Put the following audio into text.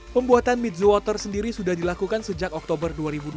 pembuatan midzo water sendiri sudah dilakukan sejak oktober dua ribu dua puluh